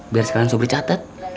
biar sekalian sobri catet